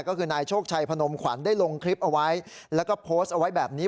ก็คือนายโชคชัยพนมขวัญได้ลงคลิปเอาไว้แล้วก็โพสต์เอาไว้แบบนี้